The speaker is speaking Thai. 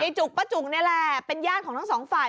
จุกป้าจุกนี่แหละเป็นญาติของทั้งสองฝ่าย